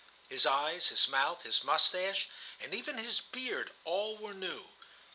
His eyes, his mouth, his moustache, and even his beard, all were new.